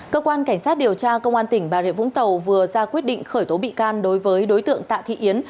cơ quan cảnh sát điều tra công an tỉnh bà rịa vũng tàu vừa ra quyết định khởi tố bị can đối với đối tượng tạ thị yến